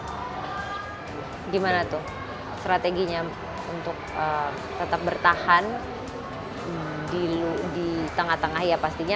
gimana tuh strateginya untuk tetap bertahan di tengah tengah ya pastinya